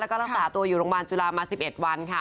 แล้วก็รักษาตัวอยู่โรงพยาบาลจุฬามา๑๑วันค่ะ